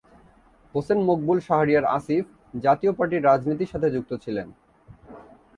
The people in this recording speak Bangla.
হোসেন মকবুল শাহরিয়ার আসিফ, জাতীয় পার্টির রাজনীতির সাথে যুক্ত ছিলেন।